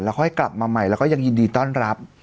ค่อยกลับมาใหม่แล้วก็ยังยินดีต้อนรับ